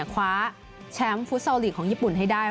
คว้าแชมป์ฟุตซอลลีกของญี่ปุ่นให้ได้